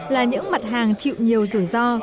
là những mặt hàng chịu nhiều rủi ro